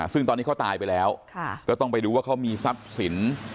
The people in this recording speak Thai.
ซึ่งตอนนี้เขาตายไปแล้วก็ต้องไปดูว่าเขามีทรัพย์สิน